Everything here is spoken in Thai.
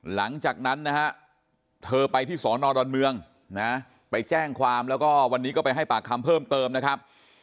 หลังจากนั้นนะฮะเธอไปที่สอนอดอนเมืองนะไปแจ้งความแล้วก็วันนี้ก็ไปให้ปากคำเพิ่มเติมนะครับ